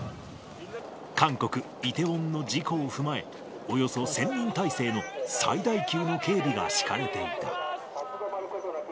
韓国・イテウォンの事故を踏まえ、およそ１０００人態勢の最大級の警備が敷かれていた。